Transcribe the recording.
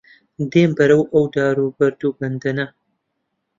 دێم بەرەو ئەو دار و بەرد و بەندەنە